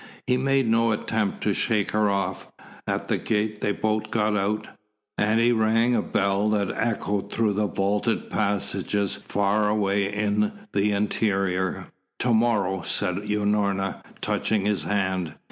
He made no attempt to shake her off. At the gate they both got out, and he rang a bell that echoed through vaulted passages far away in the interior. "To morrow," said Unorna, touching his hand.